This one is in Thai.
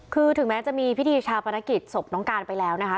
คือถึงแม้จะมีพิธีชาปนกิจศพน้องการไปแล้วนะคะ